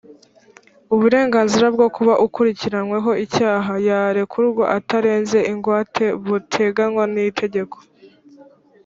uburenganzira bwo kuba ukurikiranyweho icyaha yarekurwa atanze ingwate buteganywa n itegeko